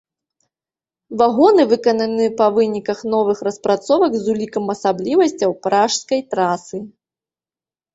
Вагоны выкананы па выніках новых распрацовак з улікам асаблівасцяў пражскай трасы.